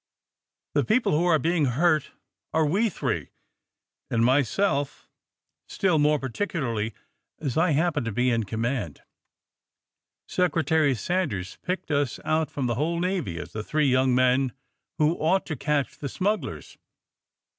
The people who are being hurt are we three, and myself still more particu larly as I happen to be in command. Secretary Sanders picked us out from the whole Navy as the three young men who ought to catch the smugglers.